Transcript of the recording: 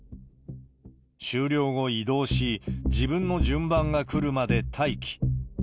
終了後、移動し、自分の順番が来るまで待機。